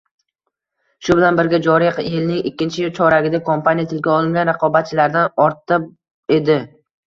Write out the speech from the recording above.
Shu bilan birga, joriy yilning ikkinchi choragida kompaniya tilga olingan raqobatchilaridan ortda edi.